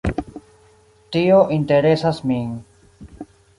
Tio interesas min.